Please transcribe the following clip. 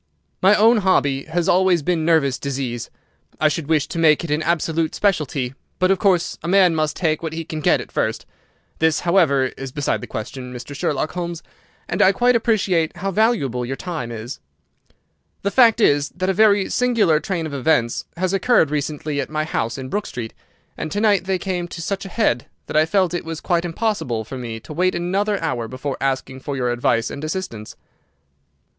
"My own hobby has always been nervous disease. I should wish to make it an absolute specialty, but, of course, a man must take what he can get at first. This, however, is beside the question, Mr. Sherlock Holmes, and I quite appreciate how valuable your time is. The fact is that a very singular train of events has occurred recently at my house in Brook Street, and to night they came to such a head that I felt it was quite impossible for me to wait another hour before asking for your advice and assistance."